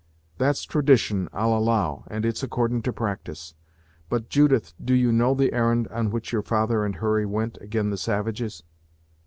"That's tradition, I'll allow, and it's accordin' to practice but, Judith, do you know the arr'nd on which your father and Hurry went ag'in the savages?"